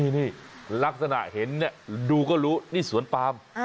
นี่ลักษณะเห็นดูก็รู้นี่สวนปาล์ม